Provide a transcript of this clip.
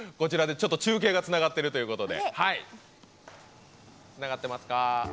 中継がつながっているということで。